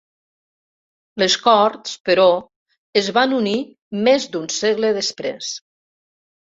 Les corts, però, es van unir més d'un segle després.